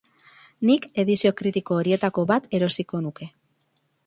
Nik edizio kritiko horietako bat erosiko nuke.